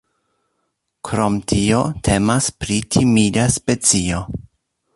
Krom tio temas pri timida specio.